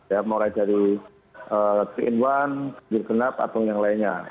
ya mulai dari tiga in satu ganjil genap atau yang lainnya